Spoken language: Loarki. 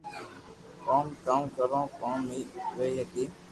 ڪوم ڪاو ڪرو ڪوم ئي وئي ني